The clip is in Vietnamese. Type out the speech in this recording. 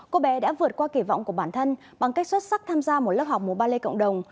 cô bé đã vượt qua kỳ vọng của bản thân bằng cách xuất sắc tham gia một lớp học múa ballet cộng đồng